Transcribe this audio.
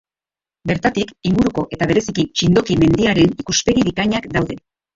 Bertatik inguruko eta bereziki Txindoki mendiaren ikuspegi bikainak daude.